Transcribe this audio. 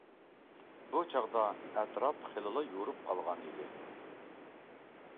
بۇ چاغدا، ئەتراپ خېلىلا يورۇپ قالغانىدى.